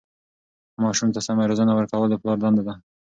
ماسوم ته سمه روزنه ورکول د پلار دنده ده.